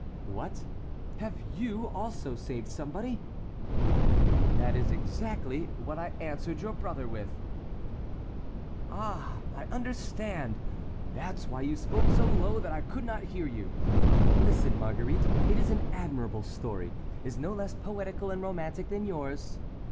"What, have you also saved somebody?" "That is exactly what I answered your brother with." "Ah, I understand! that's why you spoke so low that I could not hear you." "Listen, Marguerite: it is an admirable story—is no less poetical and romantic than yours.